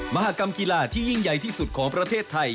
มหากรรมกีฬาที่ยิ่งใหญ่ที่สุดของประเทศไทย